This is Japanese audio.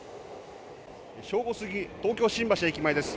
正午過ぎ、東京・新橋の駅前です。